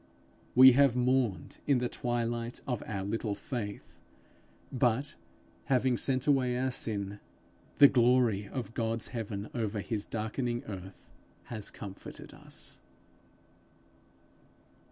We have mourned in the twilight of our little faith, but, having sent away our sin, the glory of God's heaven over his darkening earth has comforted us.